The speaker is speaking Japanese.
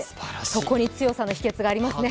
そこに強さの秘訣がありますね。